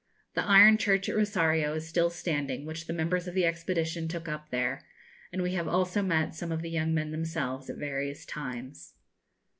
The iron church at Rosario is still standing, which the members of the expedition took up there, and we have also met some of the young men themselves at various times.